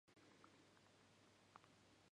カーボベルデの首都はプライアである